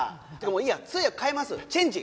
いいや通訳かえますチェンジ。